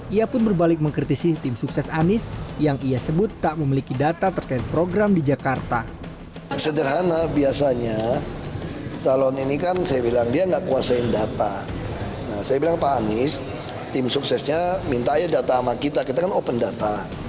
ia pun berbalik mengkritisi tim sukses anis yang ia sebut tak memiliki data terkait program di jakarta